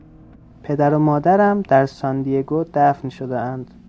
پدر و مادرم در ساندیگو دفن شدهاند.